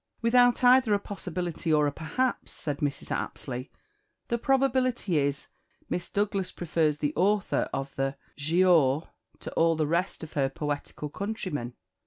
"Without either a possibility or a perhaps," said Mrs. Apsley, "the probability is, Miss Douglas prefers the author of the 'Giaour' to all the rest of her poetical countrymen.